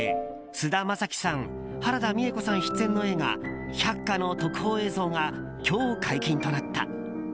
菅田将暉さん原田美枝子さん出演の映画「百花」の特報映像が今日解禁となった。